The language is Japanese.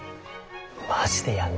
マジでやんの？